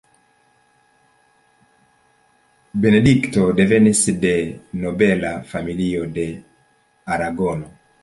Benedikto devenis de nobela familio de Aragono.